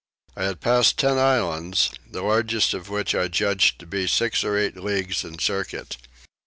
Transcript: I had passed ten islands, the largest of which I judged to be 6 or 8 leagues in circuit.